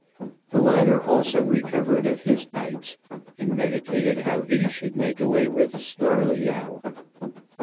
The latter also recovered of his bites, and meditated how he should make away with Snarleyyow.